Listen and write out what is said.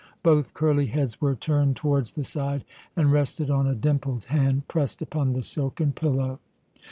Both curly heads were turned towards the side, and rested on a dimpled hand pressed upon the silken pillow.